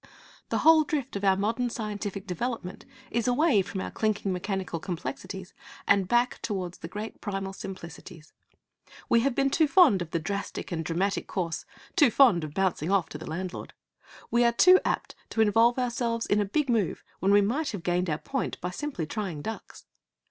The whole drift of our modern scientific development is away from our clinking mechanical complexities and back towards the great primal simplicities. We have been too fond of the drastic and dramatic course, too fond of bouncing off to the landlord. We are too apt to involve ourselves in a big move when we might have gained our point by simply trying ducks.